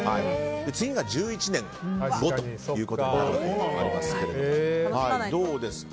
次が１１年後ということになるということですけどどうですか？